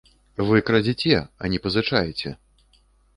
Вы крадзеце, а не пазычаеце.